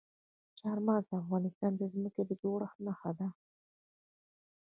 چار مغز د افغانستان د ځمکې د جوړښت نښه ده.